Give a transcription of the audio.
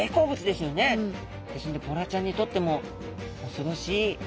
ですんでボラちゃんにとってもおそろしい存在です。